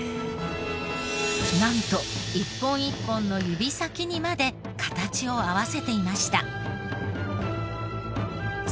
なんと一本一本の指先にまで形を合わせていました。